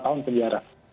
lima tahun penjara